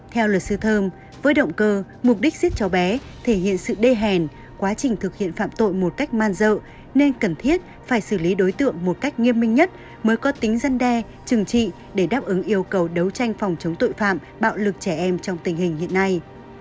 theo luật sư thơm với động cơ mục đích giết cháu bé thể hiện sự đê hèn quá trình thực hiện phạm tội một cách man dợ nên cần thiết phải xử lý đối tượng một cách nghiêm minh nhất mới có tính dân đe trừng trị để đáp ứng yêu cầu đấu tranh phòng chống tội phạm bạo lực trẻ em trong tình hình hiện nay